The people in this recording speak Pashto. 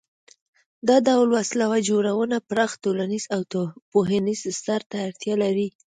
دا ډول وسله جوړونه پراخ ټولنیز او پوهنیز بستر ته اړتیا لري.